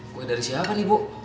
kue dari siapa ibu